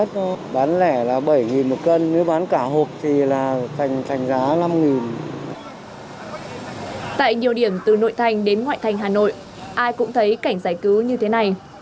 tại nhiều điểm từ nội thành đến ngoại thành hà nội ai cũng thấy cảnh giải cứu như thế này